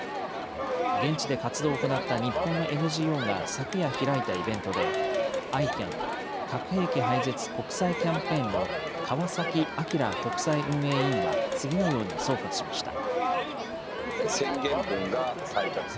現地で活動を行った日本のＮＧＯが昨夜開いたイベントで、ＩＣＡＮ・核兵器廃絶国際キャンペーンの川崎哲国際運営委員は次のように総括しました。